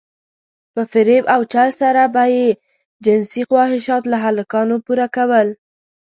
په فريب او چل سره به يې جنسي خواهشات له هلکانو پوره کول.